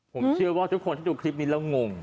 ผมเชื่อว่าทุกคนข้างในลงโงง